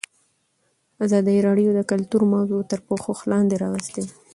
ازادي راډیو د کلتور موضوع تر پوښښ لاندې راوستې.